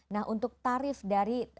nah untuk tarif dari